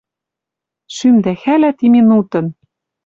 Шӱмдӓ хӓлӓ ти минутын